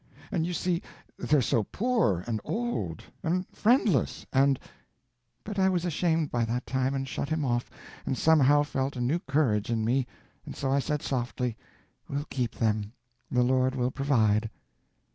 And you see, they're so poor, and old, and friendless, and—' But I was ashamed by that time, and shut him off, and somehow felt a new courage in me, and so I said, softly, 'We'll keep them—the Lord will provide.